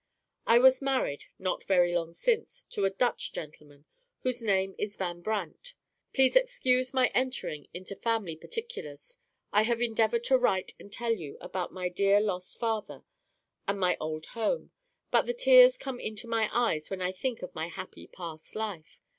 "I was married, not very long since, to a Dutch gentleman, whose name is Van Brandt. Please excuse my entering into family particulars. I have endeavored to write and tell you about my dear lost father and my old home. But the tears come into my eyes when I think of my happy past life.